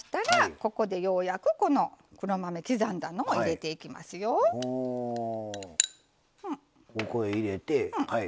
ここへ入れてはい。